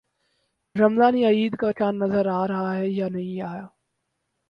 رمضان یا عید کا چاند نظر آیا ہے یا نہیں آیا؟